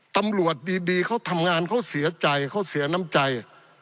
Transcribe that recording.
ตำรวจดีเขาทำงานเขาเสียใจเขาเสียน้ำใจ